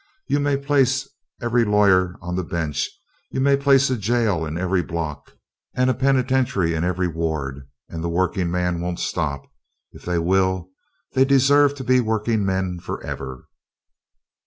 You may place every lawyer on the bench and you may place a jail in every block and a penitentiary in every ward, and the workingmen won't stop. If they will, they deserve to be workingmen forever.